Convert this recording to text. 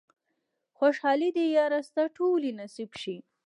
خوشحالۍ دې ياره ستا ټولې نصيب شي